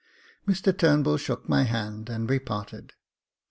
Mr Turnbull shook my hand, and we parted.